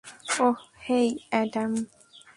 Oh, hey, Adam.